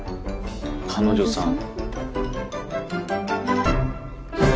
彼女さん？